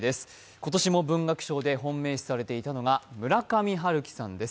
今年も文学賞で本命視されていたのが村上春樹さんです。